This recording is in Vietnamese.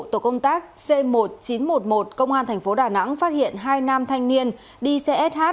tổ công tác c một nghìn chín trăm một mươi một công an thành phố đà nẵng phát hiện hai nam thanh niên đi xe sh